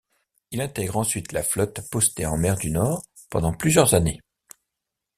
Il intègre ensuite la flotte postée en mer du Nord pendant plusieurs années.